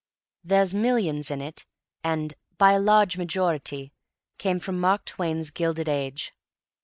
"There's millions in it," and "By a large majority" come from Mark Twain's Gilded Age.